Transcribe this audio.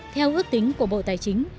theo ước tính của bộ tài chính